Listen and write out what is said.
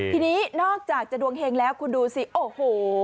ทีนี้นอกจากจะดวงเฮงแล้วคุณดูสิโอ้โห